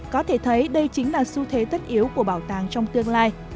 có thể thấy đây chính là xu thế tất yếu của bảo tàng trong tương lai